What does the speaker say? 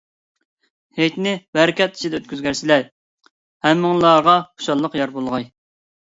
ھېيتنى بەرىكەت ئىچىدە ئۆتكۈزگەيسىلەر، ھەممىڭلارغا خۇشاللىق يار بولغاي.